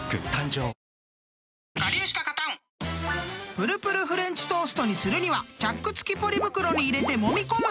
［ぷるぷるフレンチトーストにするにはチャック付きポリ袋に入れてもみ込む。